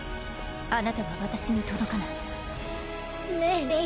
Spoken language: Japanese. あなたは私に届かないねえレイ